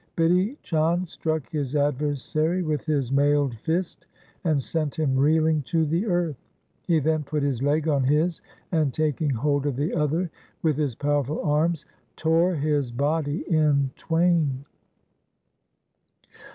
Bidhi Chand struck his adversary with his mailed fist, and sent him reeling to the earth. He then put his leg on his, and, taking hold of the other with his powerful arms, tore his body in twain.